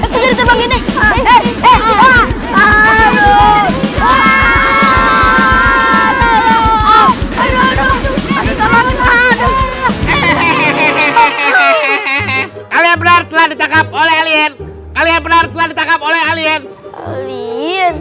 kalian benar benar ditangkap oleh alien kalian benar benar ditangkap oleh alien